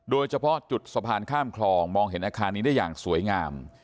โดยเฉพาะจุดสะพานข้ามคลองมองเห็นอาคารนี้ได้อย่างสวยงาม